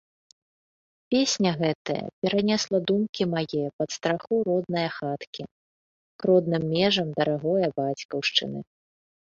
Песня гэтая перанесла думкі мае пад страху роднае хаткі, к родным межам дарагое бацькаўшчыны.